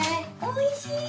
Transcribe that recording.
おいしい！